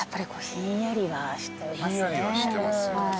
ひんやりはしてますよ。